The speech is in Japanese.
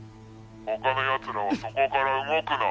他の奴らはそこから動くな！